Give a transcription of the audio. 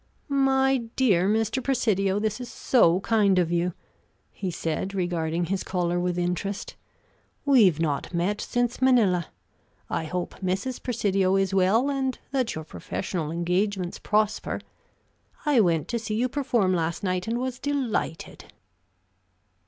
"My dear Mr. Presidio, this is so kind of you," he said, regarding his caller with interest. "We've not met since Manila. I hope Mrs. Presidio is well, and that your professional engagements prosper. I went to see you perform last night, and was delighted."